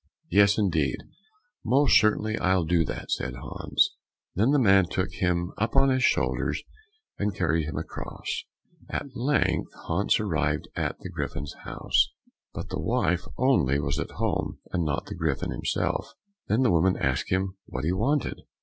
"Yes, indeed, most certainly I'll do that," said Hans. Then the man took him up on his shoulders, and carried him across. At length Hans arrived at the Griffin's house, but the wife only was at home, and not the Griffin himself. Then the woman asked him what he wanted?